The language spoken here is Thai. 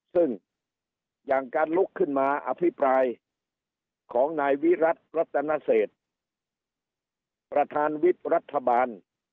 ซึ่งอย่างการลุกขึ้นมาอภิปรายของนายวิรัติรัตนเศษประธานวิบรัฐบาล